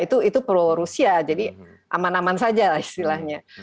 ya itu pro rusia jadi aman aman saja istilahnya